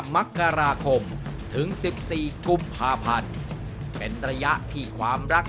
มกราคมถึง๑๔กุมภาพันธ์เป็นระยะที่ความรัก